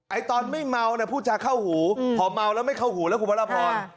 ตอนไม่เมาเนี่ยพูดจาเข้าหูพอเมาแล้วไม่เข้าหูแล้วคุณพระราพร